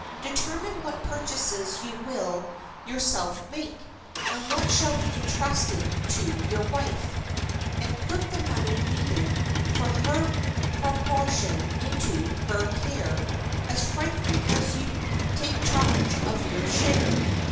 Determine what purchases you will yourself make, and what shall be entrusted to your wife, and put the money needed for her proportion into her care as frankly as you take charge of your share.